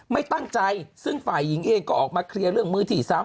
ไม่ตั้งใจซึ่งฝ่ายหญิงเองก็ออกมาเคลียร์เรื่องมือที่ซ้ำ